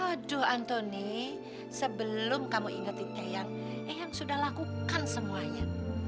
aduh antoni sebelum kamu ingetin eyang eh yang sudah lakukan semuanya